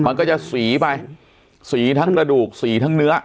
มันก็จะสีไปสีทั้งกระดูกสีทั้งเนื้อ